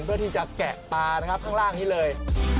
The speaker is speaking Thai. เพื่อที่จะแกะปลานะครับข้างล่างนี้เลย